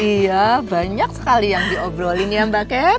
iya banyak sekali yang diobrolin ya mbak cap